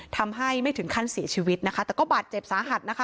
ทำให้ไม่ถึงขั้นเสียชีวิตนะคะแต่ก็บาดเจ็บสาหัสนะคะ